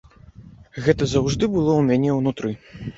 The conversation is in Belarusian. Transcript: Гэта заўжды было ў мяне ўнутры.